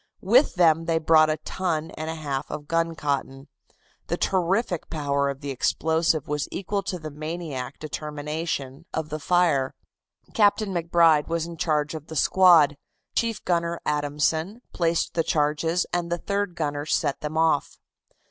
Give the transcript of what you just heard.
With them they brought a ton and a half of guncotton. The terrific power of the explosive was equal to the maniac determination of the fire. Captain MacBride was in charge of the squad, Chief Gunner Adamson placed the charges and the third gunner set them off.